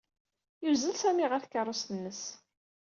Yuzzel Sami ɣer tkeṛṛust-nnes.